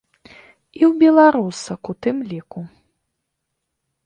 І ў беларусак ў тым ліку.